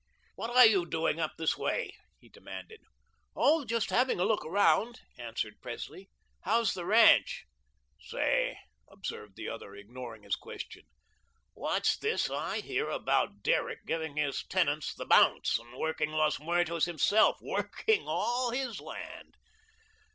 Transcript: "What are you doing up this way?" he demanded. "Oh, just having a look around," answered Presley. "How's the ranch?" "Say," observed the other, ignoring his question, "what's this I hear about Derrick giving his tenants the bounce, and working Los Muertos himself working ALL his land?"